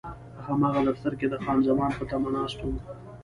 په هماغه دفتر کې د خان زمان په تمه ناست وم.